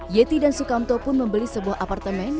yeti dan sukamto pun membeli sebuah apartemen